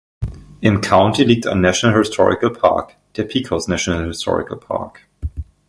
Im County liegt ein National Historical Park, der Pecos National Historical Park.